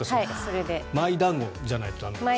マイ団子じゃないと駄目なんですね。